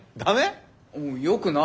よくない？